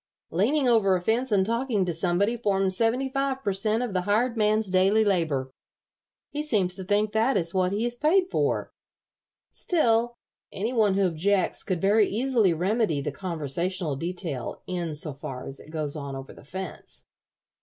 Leaning over a fence and talking to somebody forms seventy five per cent. of the hired man's daily labor. He seems to think that is what he is paid for. Still, any one who objects could very easily remedy the conversational detail in so far as it goes on over the fence."